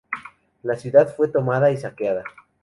La ciudad fue tomada y saqueada.